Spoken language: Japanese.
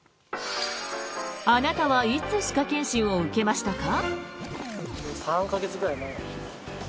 あなたはいつ歯科検診を受けましたか？